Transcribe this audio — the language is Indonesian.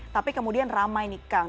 tapi kemudian ramai nih kang